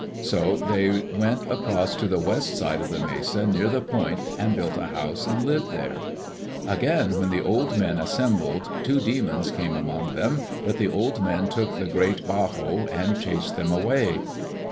So they went across to the west side of the mesa near the point and built a house and lived there. Again when the old men assembled two demons came among them, but the old men took the great Baho and chased them away.